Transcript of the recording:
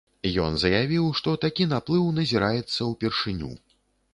Ён заявіў, што такі наплыў назіраецца ўпершыню.